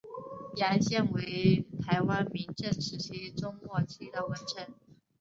杨贤为台湾明郑时期中末期的文臣。